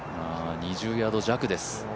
２０ヤード弱です。